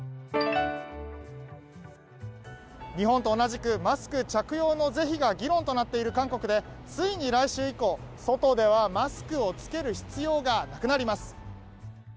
日本と同じくマスク着用の是非が議論となっている韓国で、ついに来週以降外ではマスクを着ける必要がなくなります。